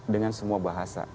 dengan semua bahasa